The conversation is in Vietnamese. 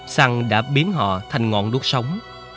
săn đã biến họ thành ngọn đuốt sống